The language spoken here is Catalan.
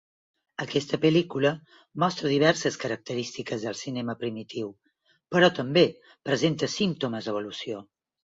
Aquesta pel·lícula mostra diverses característiques del cinema primitiu però també presenta símptomes d'evolució.